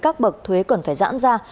các bậc thuế cần phải giãn ra